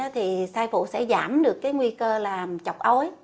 thì thai phụ sẽ giảm được nguy cơ chọc ối